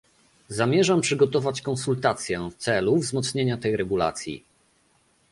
Zamierzam przygotować konsultację w celu wzmocnienia tej regulacji